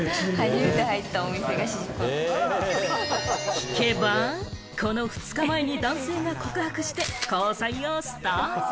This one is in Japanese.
聞けば、この２日前に男性が告白して交際をスタート。